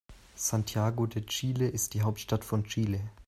Santiago de Chile ist die Hauptstadt von Chile.